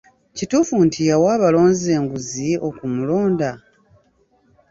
Kituufu nti yawa abayizi abalonzi enguzi okumulonda?